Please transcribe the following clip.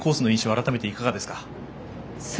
改めていかがですか。